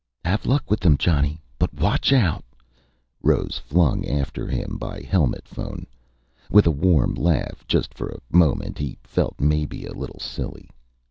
"Have luck with them, Johnny! But watch out!" Rose flung after him by helmet phone. With a warm laugh. Just for a moment he felt maybe a little silly.